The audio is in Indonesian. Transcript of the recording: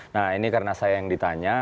nah ini karena saya yang ditanya